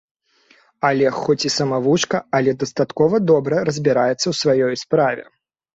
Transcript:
Алег хоць і самавучка, але дастаткова добра разбіраецца ў сваёй справе.